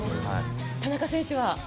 田中選手は？